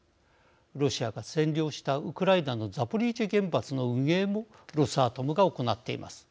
ロシアが占領したウクライナのザポリージャ原発の運営もロスアトムが行っています。